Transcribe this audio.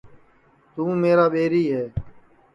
توں میرا ٻیری ہے